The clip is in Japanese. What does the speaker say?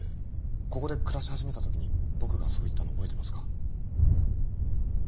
ここで暮らし始めた時に僕がそう言ったの覚えてますか？